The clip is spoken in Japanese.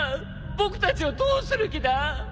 僕たちをどうする気だ！？